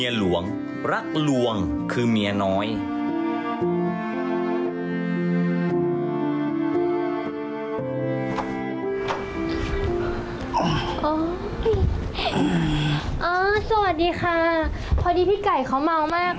โอ้โฮสวัสดีค่ะพอดีที่พี่ไก่เขามาวมากเลย